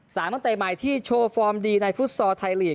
ตั้งแต่ใหม่ที่โชว์ฟอร์มดีในฟุตซอร์ไทยลีก